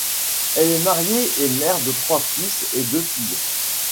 Elle est mariée et mère de trois fils et deux filles.